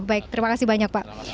baik terima kasih banyak pak